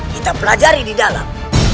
kita pelajari di dalam